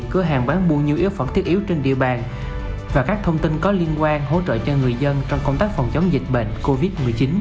cửa hàng bán mua yếu phẩm thiết yếu trên địa bàn và các thông tin có liên quan hỗ trợ cho người dân trong công tác phòng chống dịch bệnh covid một mươi chín